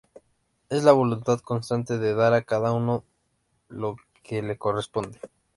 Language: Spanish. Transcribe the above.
Es la voluntad constante de dar a cada uno lo que le corresponde.